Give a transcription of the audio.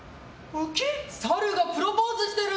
サルがプロポーズしてる！